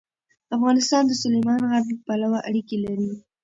افغانستان د سلیمان غر پلوه اړیکې لري.